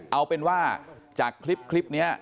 เอาเป็นว่าจากคลิปนี้